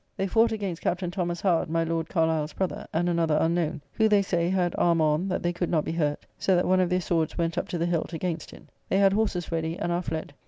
They fought against Captain Thomas Howard, my Lord Carlisle's brother, and another unknown; who, they say, had armour on that they could not be hurt, so that one of their swords went up to the hilt against it. They had horses ready, and are fled.